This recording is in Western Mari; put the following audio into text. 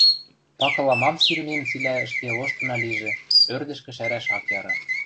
Пакыла мам сирӹмем цилӓ ӹшке лоштына лижӹ, ӧрдӹшкӹ шӓрӓш ак яры.